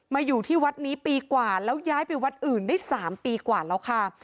อยู่ที่วัดนี้ปีกว่าแล้วย้ายไปวัดอื่นได้๓ปีกว่าแล้วค่ะ